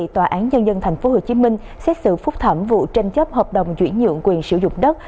tòa án nhân dân tp hcm xét xử phúc thẩm vụ tranh chấp hợp đồng chuyển nhượng quyền sử dụng đất